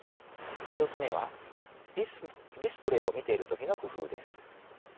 １つ目はディスプレイを見ている時の工夫です。